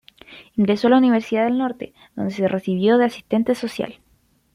Ingresó a la Universidad del Norte, donde se recibió de asistente social.